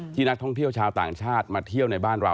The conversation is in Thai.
นักท่องเที่ยวชาวต่างชาติมาเที่ยวในบ้านเรา